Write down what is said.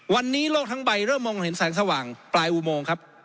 วันนี้โลกทั้งใบเริ่มมองเห็นแสงสว่างปลายอุโมงครับ